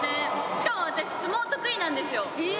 しかも私相撲得意なんですよ。